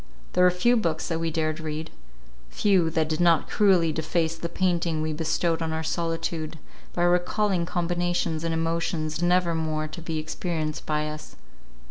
There were few books that we dared read; few, that did not cruelly deface the painting we bestowed on our solitude, by recalling combinations and emotions never more to be experienced by us.